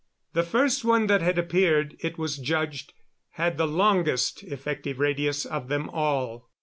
The first one that had appeared, it was judged, had the longest effective radius of them all.